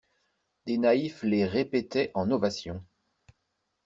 Des naïfs les répétaient en ovation.